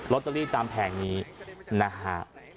ตเตอรี่ตามแผงนี้นะฮะ